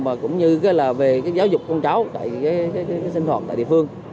và cũng như cái là về cái giáo dục con cháu tại cái sinh thoảng tại địa phương